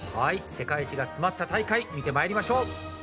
世界一が詰まった大会、見てまいりましょう！